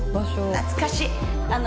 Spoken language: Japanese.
懐かしい！